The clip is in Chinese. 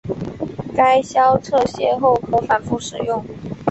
该销拆卸后可重复使用。